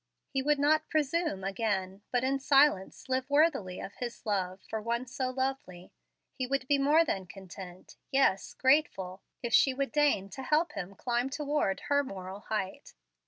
He would not presume again, but in silence live worthily of his love for one so lovely. He would be more than content yes, grateful if she would deign to help him climb toward her moral height.